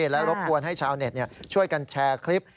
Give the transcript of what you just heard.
และรบกวนให้ชาวเน็ตช่วยกันแชร์คลิป